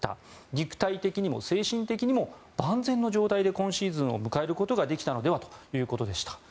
肉体的にも精神的にも万全な状態で今シーズンを迎えることができたのではということでした。